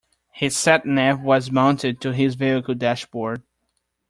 His sat nav was mounted to his vehicle dashboard